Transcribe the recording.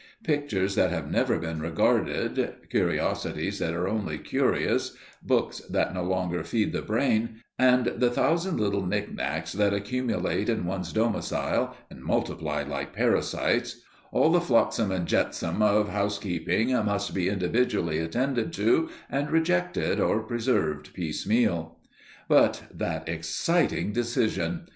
Pictures that have never been regarded, curiosities that are only curious, books that no longer feed the brain, and the thousand little knickknacks that accumulate in one's domicile and multiply like parasites all the flotsam and jetsam of housekeeping must be individually attended to, and rejected or preserved piecemeal. But that exciting decision!